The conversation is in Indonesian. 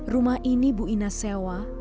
rumah ini bu ina sewa